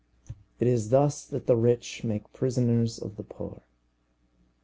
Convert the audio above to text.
It is thus that the rich make prisoners of the poor.